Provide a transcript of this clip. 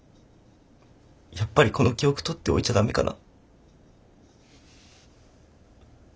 やっぱりこの記憶取っておいちゃ駄目かな？